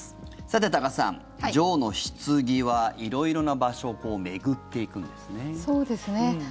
さて多賀さん女王のひつぎは、色々な場所を巡っていくんですね。